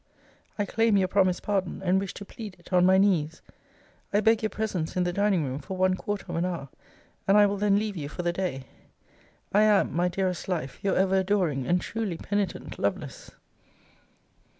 I claim your promised pardon, and wish to plead it on my knees. I beg your presence in the dining room for one quarter of an hour, and I will then leave you for the day, I am, My dearest life, Your ever adoring and truly penitent LOVELACE.